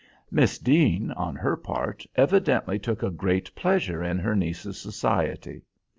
Miss Deane on her part evidently took a great pleasure in her niece's society.